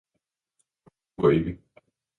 - Hun dur ikke!